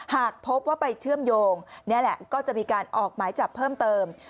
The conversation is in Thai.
หากพบว่าไปเชื่อมโยงนี่แหละก็จะมีการออกหมายจับเพิ่มเติม